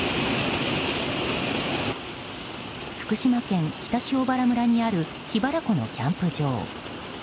福島県北塩原村にある桧原湖のキャンプ場。